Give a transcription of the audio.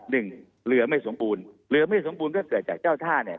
หนึ่งเรือไม่สมบูรณ์เรือไม่สมบูรณ์ก็เกิดจากเจ้าท่าเนี่ย